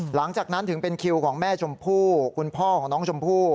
หลังจากนั้นถึงเป็นคิวของแม่ชมพู่คุณพ่อของน้องชมพู่